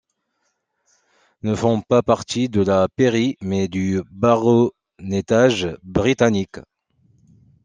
Ne font pas partie de la pairie mais du baronnetage britannique.